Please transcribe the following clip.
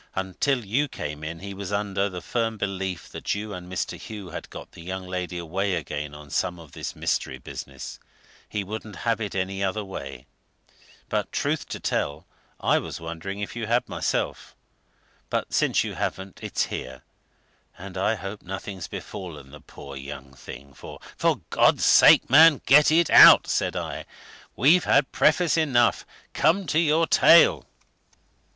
"Until you came in, he was under the firm belief that you and Mr. Hugh had got the young lady away again on some of this mystery business he wouldn't have it any other way. And truth to tell, I was wondering if you had, myself! But since you haven't, it's here and I hope nothing's befallen the poor young thing, for " "For God's sake, man, get it out!" said I. "We've had preface enough come to your tale!"